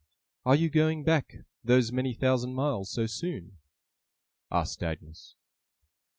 'Are you going back those many thousand miles, so soon?' asked Agnes.